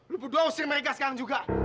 lo berdua usir mereka sekarang juga